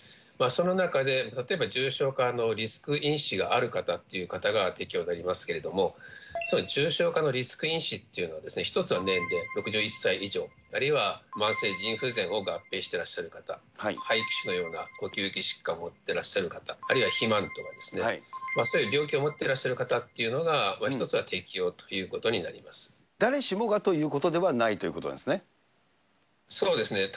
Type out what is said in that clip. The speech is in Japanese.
その中で例えば重症化のリスク因子がある方っていう方が適用となりますけれども、重症化のリスク因子っていうのは、１つは年齢、６１歳以上、あるいは慢性腎不全を合併してらっしゃる方、肺気腫のような呼吸器疾患を持ってらっしゃる方、あるいは肥満とですね、そういう病気を持っていらっしゃる方というのが、誰しもがということではないそうですね。